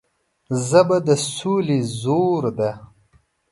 ژبه د سولې زور ده